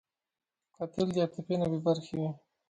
قاتل د عاطفې نه بېبرخې وي